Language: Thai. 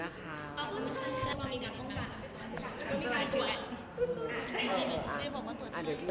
ไม่ได้บอกว่าตัวตัวเอง